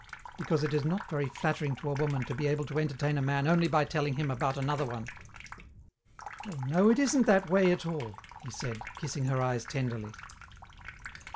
"Because it is not very flattering to a woman to be able to entertain a man only by telling him about another one." "Oh, no, it isn't that way at all," he said, kissing her eyes tenderly.